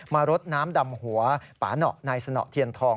รดน้ำดำหัวปาหนอนายสนเทียนทอง